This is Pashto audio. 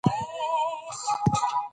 موږ په ګډه غره ته خېژو.